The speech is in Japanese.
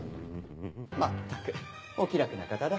まったくお気楽な方だ。